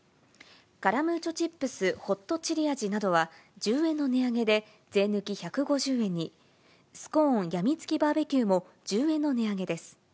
カラムーチョチップスホットチリ味などは１０円の値上げで、税抜き１５０円に、スコーンやみつきバーベキューも１０円の値上げです。